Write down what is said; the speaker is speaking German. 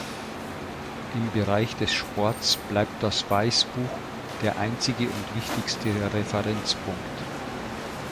Im Bereich des Sports bleibt das Weißbuch der einzige und wichtigste Referenzpunkt.